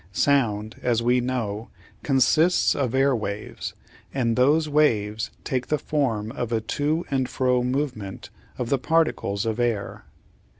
Sound, as we know, consists of air waves, and those waves take the form of a to and fro movement of the particles of air.